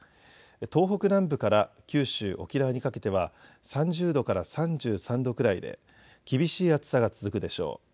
東北南部から九州、沖縄にかけては３０度から３３度くらいで厳しい暑さが続くでしょう。